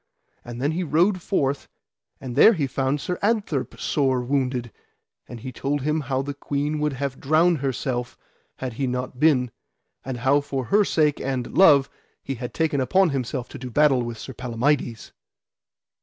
And then he rode forth, and there he found Sir Adtherp sore wounded, and he told him how the queen would have drowned herself had he not been, and how for her sake and love he had taken upon him to do battle with Sir Palamides.